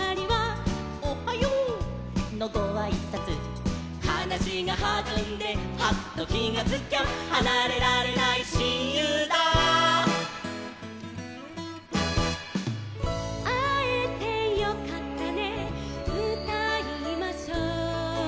「おはよう！のごあいさつ」「はなしがはずんでハッときがつきゃ」「はなれられないしんゆうだ」「あえてよかったねうたいましょう」